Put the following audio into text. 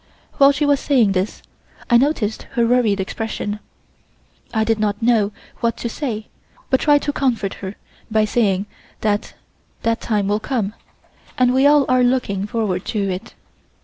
While she was saying this I noticed her worried expression. I did not know what to say, but tried to comfort her by saying that that time will come, and we are all looking forward to it.